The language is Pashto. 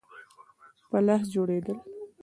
په لاس جوړېدل.